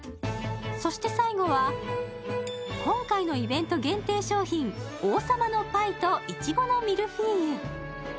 そして最後は、今回のイベント限定商品、王様のパイと苺のミルフィーユ。